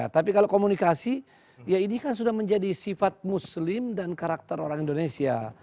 tapi kalau komunikasi ya ini kan sudah menjadi sifat muslim dan karakter orang indonesia